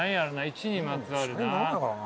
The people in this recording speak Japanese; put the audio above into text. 「１」にまつわるな。